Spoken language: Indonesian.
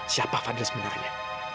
siapa fadil sebenarnya